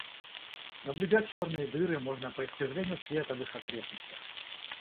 Наблюдать черные дыры можно по искривлению света в их окрестностях.